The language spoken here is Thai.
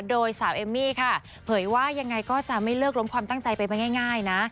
โดยสาวเอมมี่ค่ะเผยว่ายังไงก็จะไม่เลิกล้มความตั้งใจไปง่ายนะ